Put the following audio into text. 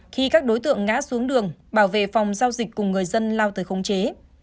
khi các đối tượng ngã xuống đường bảo về phòng giao dịch cùng người dân lao tới khống chế